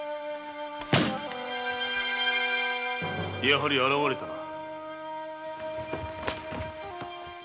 やはり現れたな。